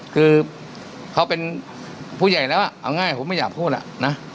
คือเขาเป็นผู้ใหญ่แล้วเอาง่ายผมไม่อยากพูดอ่ะนะ